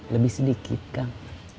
lebih sedikit kang